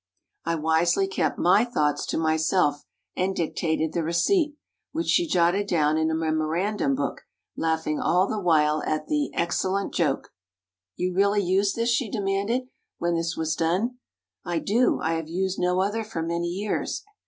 I wisely kept my thoughts to myself, and dictated the receipt, which she jotted down in a memorandum book laughing all the while at the "excellent joke." "You really use this?" she demanded, when this was done. "I do. I have used no other for many years."